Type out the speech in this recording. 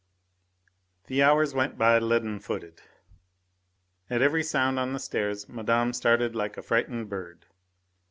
The hours went by leaden footed. At every sound on the stairs Madame started like a frightened bird.